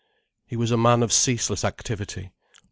He was a man of ceaseless activity.